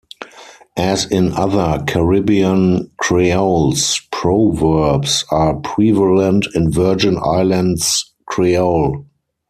As in other Caribbean creoles, proverbs are prevalent in Virgin Islands Creole.